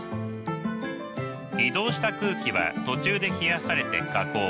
移動した空気は途中で冷やされて下降。